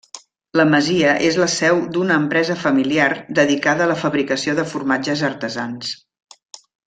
La masia és la seu d'una empresa familiar dedicada a la fabricació de formatges artesans.